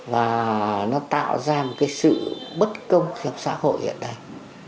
và nó tạo ra một cái sự bất công trong xã hội hiện nay